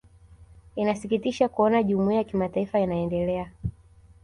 inasikitisha kuona jumuiya ya kimataifa inaendelea